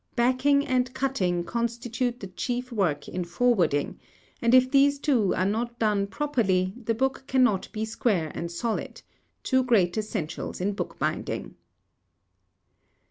Backing and cutting constitute the chief work in forwarding, and if these two are not done properly the book cannot be square and solid—two great essentials in bookbinding.